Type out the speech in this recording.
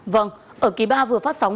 vâng ở ký ba vừa phát sóng